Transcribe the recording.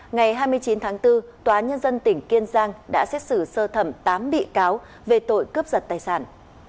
ngày hai mươi chín tháng bốn tòa nhân dân tỉnh kiên giang đã xét xử sơ thẩm tám bị cáo về tội cướp giật tài sản